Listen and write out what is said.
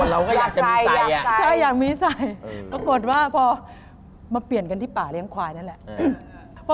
เอาว่าเราก็อยากมีไส่ประกอบว่าพอมาเปลี่ยนกันที่ป่าเลี้ยงขวายนั่นแหละ